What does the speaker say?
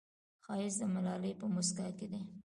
ښایست د ملالې په موسکا کې دی